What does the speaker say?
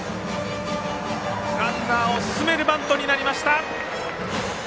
ランナーを進めるバントになりました。